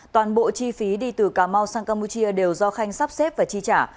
toàn bộ chi phí đi từ cà mau sang campuchia đều do khanh sắp xếp và chi trả